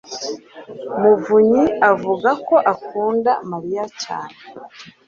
muvunyi avuga ko akunda Mariya cyane.